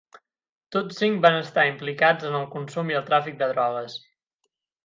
Tots cinc van estar implicats en el consum i el tràfic de drogues.